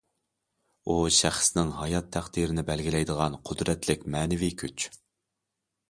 ئۇ شەخسنىڭ ھايات تەقدىرىنى بەلگىلەيدىغان قۇدرەتلىك مەنىۋى كۈچ.